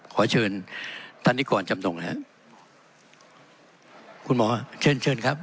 ขอเชิญท่านนี้ก่อนจำหน่งนะครับคุณหมอเชิญครับ